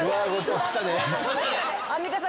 アンミカさん